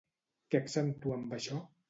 Què accentua amb això?